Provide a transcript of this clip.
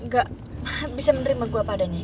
gak bisa menerima gue padanya